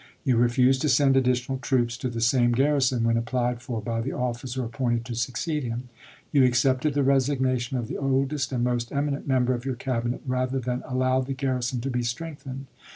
You refused to send additional troops to the same garrison when applied for by the officer appointed to succeed him. You accepted the resignation of the oldest and most emi nent member of your Cabinet rather than allow the garrison to be strengthened.